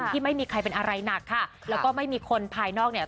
ที่ไม่มีใครเป็นอะไรหนักค่ะแล้วก็ไม่มีคนภายนอกเนี่ย